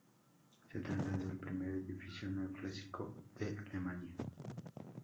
Se trata del primer edificio neoclásico de Alemania.